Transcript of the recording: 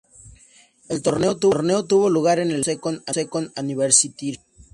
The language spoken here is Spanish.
El torneo tuvo lugar en el evento "Second Anniversary Show".